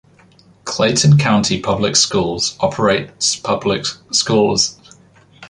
Clayton County Public Schools operates public schools.